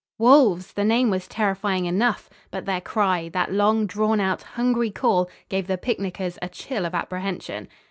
Wolves! The name was terrifying enough. But their cry, that long drawn out, hungry call, gave the picnickers a chill of apprehension.